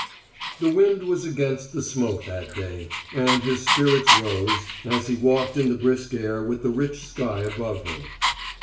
... The wind was against the smoke that day; and his spirits rose, as he walked in the brisk air with the rich sky above him.